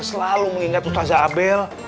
selalu mengingat ustazah abel